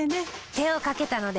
手をかけたので。